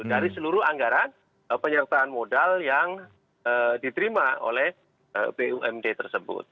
dari seluruh anggaran penyertaan modal yang diterima oleh bumd tersebut